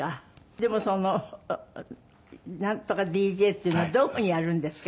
でもそのなんとかＤＪっていうのはどういうふうにやるんですか？